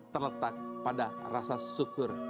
terletak pada rasa syukur